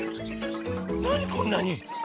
なにこんなに。